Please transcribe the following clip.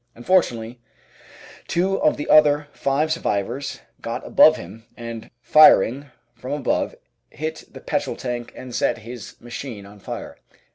Unfortunately two of the other five survivors got above him, and firing from above hit the petrol tank and set his machine on fire.